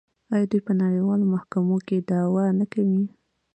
آیا دوی په نړیوالو محکمو کې دعوا نه کوي؟